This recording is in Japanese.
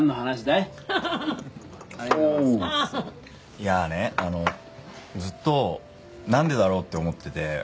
いやねあのずっとなんでだろうって思ってて。